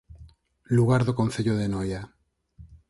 Lugar do Concello de Noia